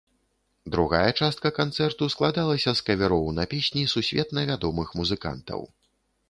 Другая частка канцэрту складалася з кавероў на песні сусветна вядомых музыкантаў.